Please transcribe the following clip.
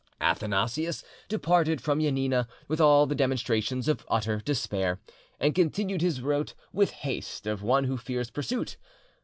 Athanasius departed from Janina with all the demonstrations of utter despair, and continued his route with the haste of one who fears pursuit.